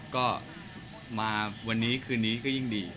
ก็มาวันนี้คืนนี้ก็ยิ่งดี